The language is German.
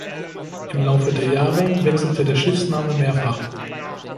Im Laufe der Jahre wechselte der Schiffsname mehrfach.